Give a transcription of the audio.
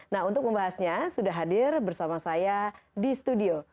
nah untuk membahasnya sudah hadir bersama saya di studio